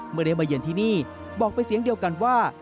เมื่อได้มาเยือนที่นี่บอกเป็นเสียงเดียวกันว่า